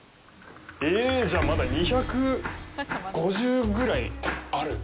え、じゃあ、まだ２５０ぐらいある？